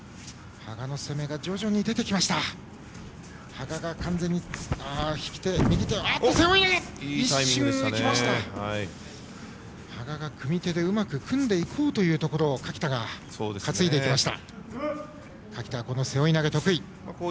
羽賀が組み手でうまく組んでいこうというところを垣田が担いでいきました。